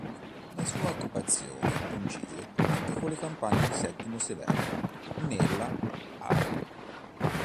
La sua occupazione coincise anche con le campagne di Settimio Severo nella area.